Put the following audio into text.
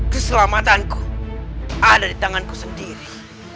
keselamatanku ada di tanganku sendiri